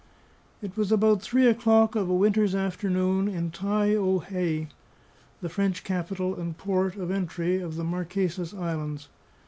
It was about three o'clock of a winter's afternoon in Tai o hae, the French capital and port of entry of the Marquesas Islands.